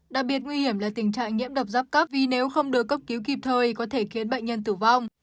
đặc biệt nguy hiểm là tình trạng nhiễm độc giáp vì nếu không được cấp cứu kịp thời có thể khiến bệnh nhân tử vong